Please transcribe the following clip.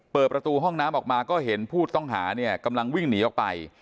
เปิดประตูห้องน้ำออกมาก็เห็นผู้ต้องหาเนี่ยกำลังวิ่งหนีออกไป